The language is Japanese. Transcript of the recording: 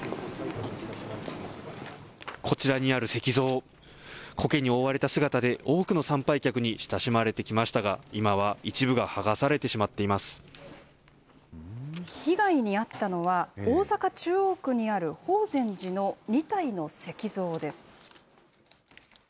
こちらにある石像、こけに覆われた姿で多くの参拝客に親しまれてきましたが、今は一部が剥が被害に遭ったのは、大阪・中央区にある法善寺の２体の石像です。